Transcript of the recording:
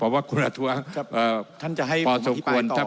คุณลักษณเดชมันประทวงใช่ไหมครับ